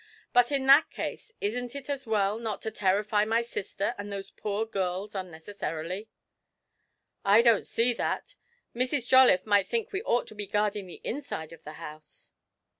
'But in that case, isn't it as well not to terrify my sister and those poor girls unnecessarily?' 'I don't see that. Mrs. Jolliffe might think we ought to be guarding the inside of the house.'